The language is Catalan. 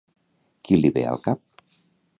Qui li ve al cap?